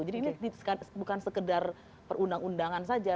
jadi ini bukan sekedar perundang undangan saja